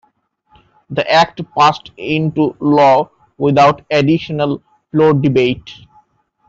The Act passed into law without additional floor debate.